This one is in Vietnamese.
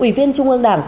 ủy viên trung ương đảng